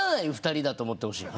２人だと思ってほしい。